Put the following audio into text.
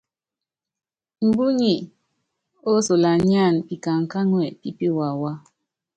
Mbuny osolanyáan pikaŋkáŋua pi piwawá.